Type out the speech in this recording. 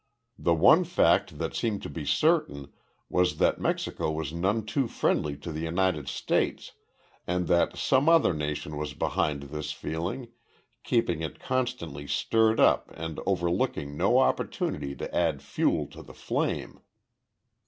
The one fact that seemed to be certain was that Mexico was none too friendly to the United States, and that some other nation was behind this feeling, keeping it constantly stirred up and overlooking no opportunity to add fuel to the flame.